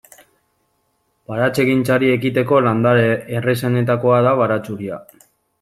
Baratzegintzari ekiteko landare errazenetakoa da baratxuria.